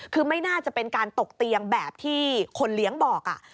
คือไม่น่าจะเป็นการตกเตียงแบบที่คนเลี้ยงบอก